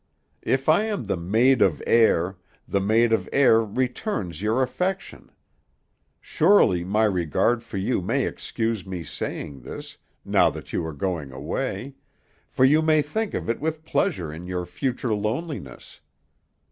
If I am the Maid of Air, the Maid of Air returns your affection. Surely my regard for you may excuse my saying this, now that you are going away, for you may think of it with pleasure in your future loneliness.